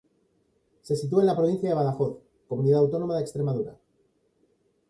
Se sitúa en la provincia de Badajoz, comunidad autónoma de Extremadura.